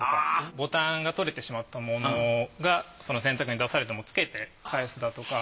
ボタンが取れてしまったものが洗濯に出されてもつけて返すだとか。